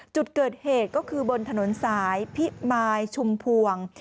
จุดเกิดเหตุก็คือบนถนนสายพิมายชุมพวง